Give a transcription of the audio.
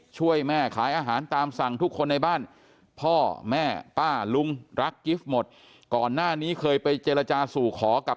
ช่วยแม่ขายอาหารตามสั่งทุกคนในบ้านพ่อแม่ป้าลุงรักกิฟต์หมดก่อนหน้านี้เคยไปเจรจาสู่ขอกับ